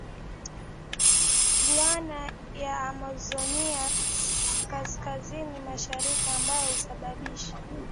Guiana ya Amazonia kaskazini mashariki ambayo husababisha